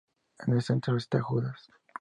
En el centro, está Judas.